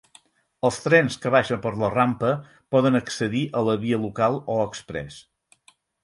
Els trens que baixen per la rampa poden accedir a la via local o exprès.